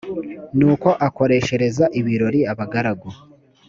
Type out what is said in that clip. nuko akoreshereza ibirori abagaragu